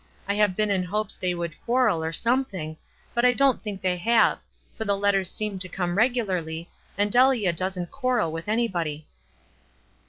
I've been in hopes they would quarrel, or something ; but I don't think they have, for the letters seem to come regularly, and Delia doesn't quarrel with anybody."